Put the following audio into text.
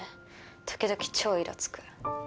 時々超いらつく。